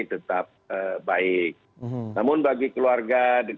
kita bisa menjaga kondisi ini